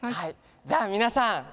じゃあみなさん！